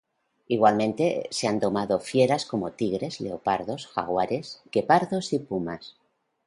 Igualmente, se han domado fieras como tigres, leopardos, jaguares, guepardos y pumas.